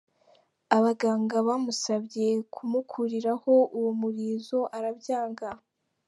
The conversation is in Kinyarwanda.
Abaganga bamusabye kumukuriraho uwo murizo arabyanga.